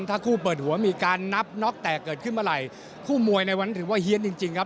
ถ้าคู่เปิดหัวมีการนับน็อกแตกเกิดขึ้นเมื่อไหร่คู่มวยในวันนั้นถือว่าเฮียนจริงจริงครับ